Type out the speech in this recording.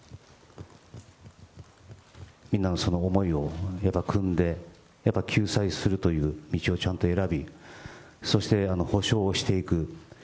みんなのその思いを酌んで、やっぱり救済するという道をちゃんと選び、そして補償をしていく。